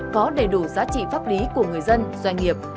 có đầy đủ giá trị pháp lý của người dân doanh nghiệp